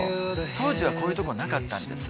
当時はこういうとこなかったんです